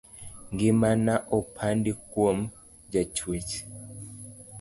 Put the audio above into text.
Ngimana opandi kuom jachuech.